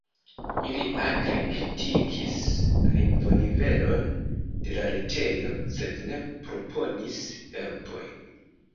Ili akre kritikis la lingvonivelon de la retejo, sed ne proponis helpojn.